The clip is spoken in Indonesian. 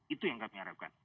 itu yang kami harapkan